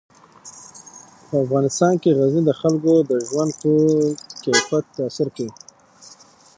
په افغانستان کې غزني د خلکو د ژوند په کیفیت تاثیر کوي.